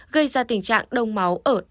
gây ra tình trạng đông máu ở trong máu